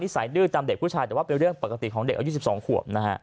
สายดื้อตามเด็กผู้ชายแต่ว่าเป็นเรื่องปกติของเด็กอายุ๑๒ขวบนะฮะ